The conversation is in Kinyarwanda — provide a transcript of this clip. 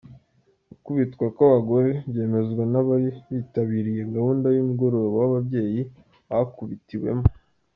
Gukubitwa kw’aba bagore byemezwa n’abari bitabiriye gahunda y’umugoroba w’ababyeyi bakubitiwemo.